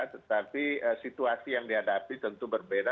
tetapi situasi yang dihadapi tentu berbeda